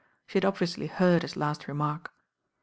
She had obviously heard his last remark.